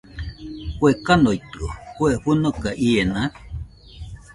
¿Kue kanoitɨo, kue fɨnoka iena?